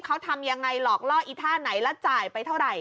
เขาทำยังไงหลอกล่ออีท่าไหนแล้วจ่ายไปเท่าไหร่